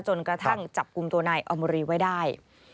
จนกระทั่งจับกลุ่มตัวนายอมรีไว้ได้